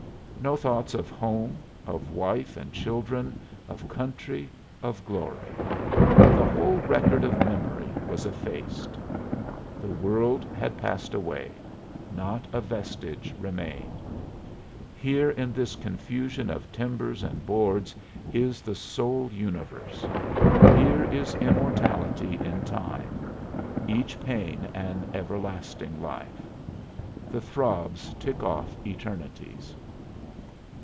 No thoughts of home, of wife and children, of country, of glory. The whole record of memory was effaced. The world had passed away not a vestige remained. Here in this confusion of timbers and boards is the sole universe. Here is immortality in time each pain an everlasting life. The throbs tick off eternities.